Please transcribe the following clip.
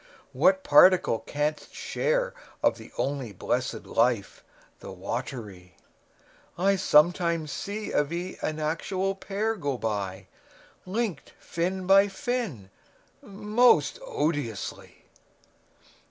What particle canst share Of the only blessed life, the watery? I sometimes see of ye an actual pair Go by! linked fin by fin! most odiously.